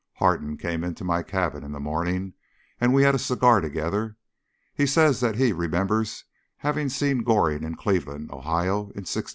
Harton came into my cabin in the morning, and we had a cigar together. He says that he remembers having seen Goring in Cleveland, Ohio, in '69.